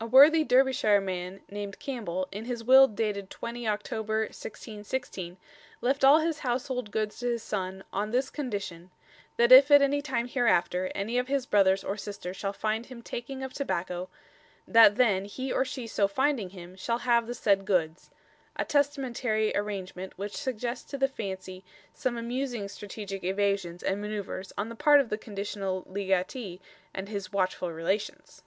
A worthy Derbyshire man named Campbell, in his will dated 20 October 1616, left all his household goods to his son, "on this condition that yf at any time hereafter, any of his brothers or sisters shall fynd him takeing of tobacco, that then he or she so fynding him, shall have the said goods" a testamentary arrangement which suggests to the fancy some amusing strategic evasions and manœuvres on the part of the conditional legatee and his watchful relations.